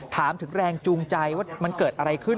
ถามถึงแรงจูงใจว่ามันเกิดอะไรขึ้น